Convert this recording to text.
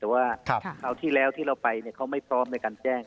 แต่ว่าคราวที่แล้วที่เราไปเขาไม่พร้อมในการแจ้ง